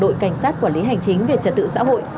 đội cảnh sát quản lý hành chính về trật tự xã hội